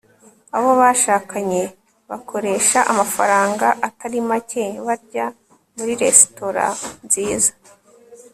abo bashakanye bakoresha amafaranga atari make barya muri resitora nziza